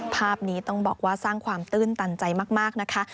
ภาพนี้ต้องบอกว่าสร้างความตื้นตันใจมากนะคะ